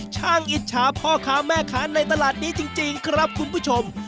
อิจฉาพ่อค้าแม่ค้าในตลาดนี้จริงครับคุณผู้ชม